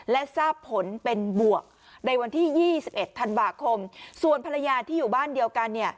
และทราบผลเป็นบวกในวันที่๒๑ธันวาคมส่วนภรรยาที่อยู่บ้านเดียวกันเนี่ย